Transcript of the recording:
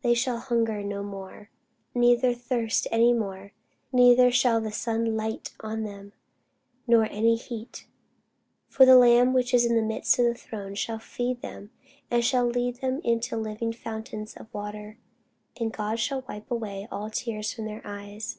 They shall hunger no more, neither thirst any more; neither shall the sun light on them, nor any heat. For the Lamb which is in the midst of the throne shall feed them, and shall lead them unto living fountains of waters: and God shall wipe away all tears from their eyes.